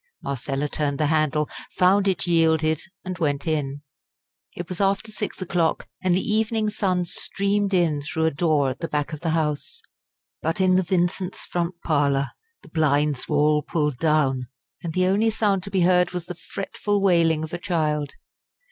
Marcella turned the handle, found it yielded, and went in. It was after six o'clock, and the evening sun streamed in through a door at the back of the house. But in the Vincents' front parlour the blinds were all pulled down, and the only sound to be heard was the fretful wailing of a child.